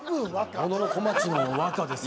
小野小町の和歌ですよ。